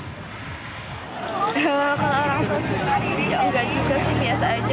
kalau orang itu suka ya enggak juga sih biasa aja